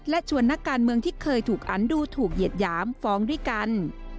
และชวนนักการเมืองที่เคยถูกอันดูถูกเหยียดหยามฟ้องด้วยกัน